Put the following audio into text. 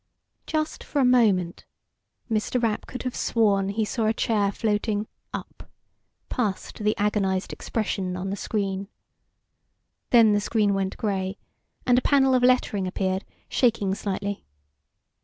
Just for a moment, Mr. Rapp could have sworn he saw a chair floating up, past the agonized expression on the screen. Then the screen want gray, and a panel of lettering appeared, shaking slightly.